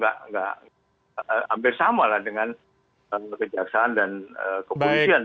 hampir sama lah dengan kejaksaan dan kepolisian